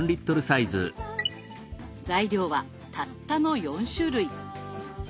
材料はたったの４種類。